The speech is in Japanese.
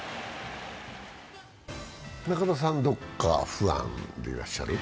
中田さん、どこかファンでいらっしゃる？